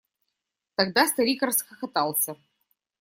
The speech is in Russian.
Тогда старик расхохотался.